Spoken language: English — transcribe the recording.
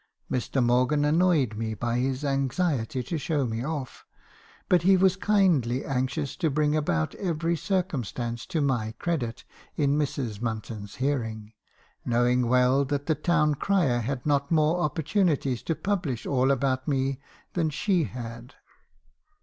Mr. Morgan annoyed me by his anxiety to show me off; but he was kindly anxious to bring out every circumstance to my credit in Mrs. Munton's hearing, knowing well that the town crier had not more opportunities to publish*»all about me than she had.